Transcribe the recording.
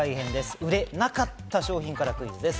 売れなかった商品からクイズです。